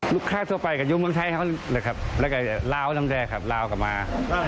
ลูกค้าตัวไปก็อยู่เมืองไทยครับแล้วก็ลาวน้ำแด่ครับลาวกลับมา